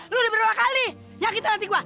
lu udah berapa kali nyakit nanti gua